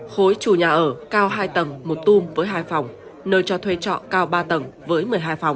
khối chủ nhà ở cao hai tầng một tung với hai phòng nơi cho thuê trọ cao ba tầng với một mươi hai phòng